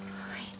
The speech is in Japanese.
はい。